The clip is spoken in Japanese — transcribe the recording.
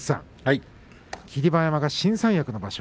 霧馬山が新三役の場所